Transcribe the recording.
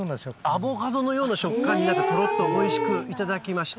アボカドのような食感になってとろっとおいしく頂きました。